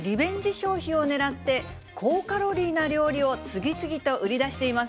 消費を狙って、高カロリーな料理を次々と売り出しています。